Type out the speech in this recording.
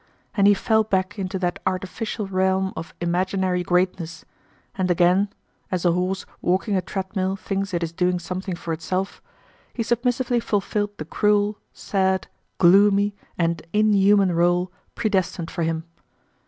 And he fell back into that artificial realm of imaginary greatness, and again—as a horse walking a treadmill thinks it is doing something for itself—he submissively fulfilled the cruel, sad, gloomy, and inhuman role predestined for him.